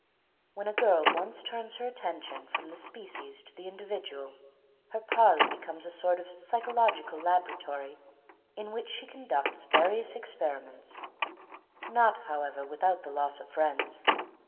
When a girl once turns her attention from the species to the individual, her parlour becomes a sort of psychological laboratory in which she conducts various experiments; not, however, without the loss of friends.